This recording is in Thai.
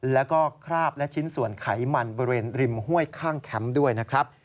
แล้วก็คราบและชิ้นส่วนไขมันบริเวณริมห้วยข้างแคมป์ด้วยนะครับ